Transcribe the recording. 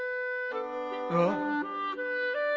あっ